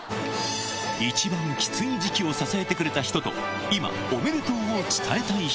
一番きつい時期を支えてくれた人と、今、おめでとうを伝えたい人。